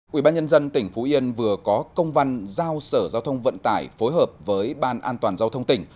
quỹ ban nhân dân tỉnh phú yên vừa có công văn giao sở giao thông vận tải phối hợp với ban an toàn giao thông tỉnh